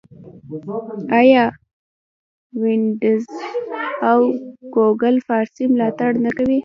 آیا وینډوز او ګوګل فارسي ملاتړ نه کوي؟